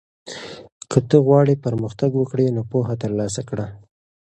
که ته غواړې پرمختګ وکړې نو پوهه ترلاسه کړه.